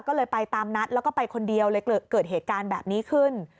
ก็เลยไปตามนัดแล้วก็ไปคนเดียวเลยเกิดเหตุการณ์แบบนี้ขึ้น